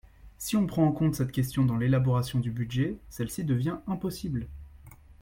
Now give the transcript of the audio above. Si on prend en compte cette question dans l’élaboration du budget, celle-ci devient impossible.